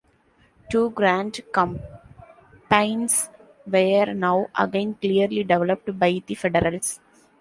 Two grand campaigns were now again clearly developed by the Federals.